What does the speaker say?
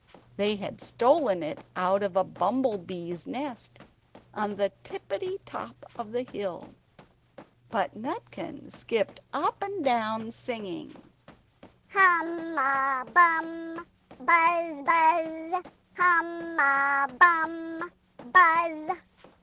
They had stolen it out of a bumble BEES' nest on the tippity top of the hill. But Nutkin skipped up and down, singing "Hum a bum! buzz! buzz! Hum a bum buzz!